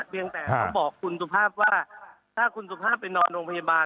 เพียงแต่ต้องบอกคุณสุภาพว่าถ้าคุณสุภาพไปนอนโรงพยาบาล